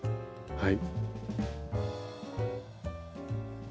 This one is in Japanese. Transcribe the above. はい。